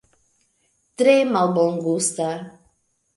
Tre malbongusta.